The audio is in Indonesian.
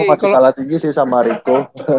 masih kalah tinggi sih sama riko